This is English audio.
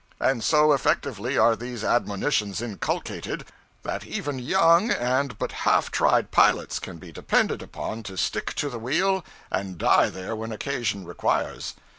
And so effectively are these admonitions inculcated, that even young and but half tried pilots can be depended upon to stick to the wheel, and die there when occasion requires.